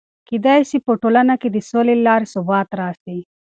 کېدای سي په ټولنه کې د سولې له لارې ثبات راسي.